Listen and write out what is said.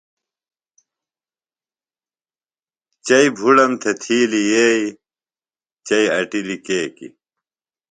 چئی بُھڑم تھےۡ تِھیلیۡ یئ ، چئی اٹِلیۡ کیکیۡ